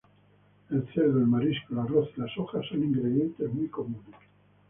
El cerdo, el marisco, el arroz y la soja son ingredientes muy comunes.